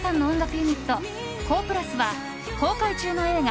ユニットＫＯＨ＋は公開中の映画